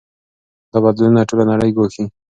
دا بدلونونه ټوله نړۍ ګواښي.